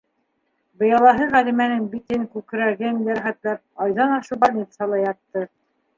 Быялаһы Ғәлимәнең битен, күкрәген йәрәхәтләп, айҙан ашыу больницала ятты.